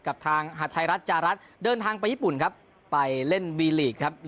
กับทางหาดไทยรัฐจารัสเดินทางไปญี่ปุ่นครับไปเล่นวีลีกครับ